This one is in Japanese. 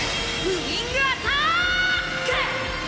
ウィングアターック！